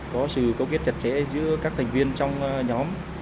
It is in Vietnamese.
có sự cấu kết chặt chẽ giữa các thành viên trong nhóm